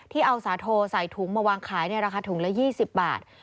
ที่เอาสาโทใส่ถุงมาวางขายในราคาถุงละ๒๐บาท